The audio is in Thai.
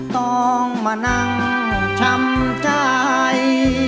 ต้องมานั่งช้ำใจ